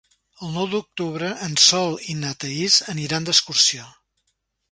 El nou d'octubre en Sol i na Thaís aniran d'excursió.